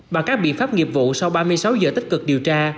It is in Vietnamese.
bằng các biện pháp nghiệp vụ sau ba mươi sáu giờ tích cực điều tra